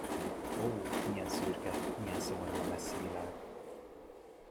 Ó, milyen szürke, milyen szomorú a messzi világ!